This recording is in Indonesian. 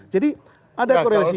jadi ada korelasi